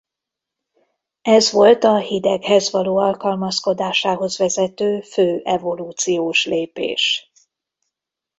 Ez volt a hideghez való alkalmazkodásához vezető fő evolúciós lépés.